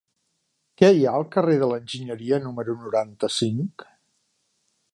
Què hi ha al carrer de l'Enginyeria número noranta-cinc?